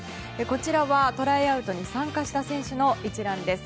こちらはトライアウトに参加した選手の一覧です。